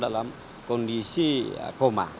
dalam kondisi koma